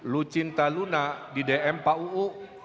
lu cinta lu nak di dm pak uu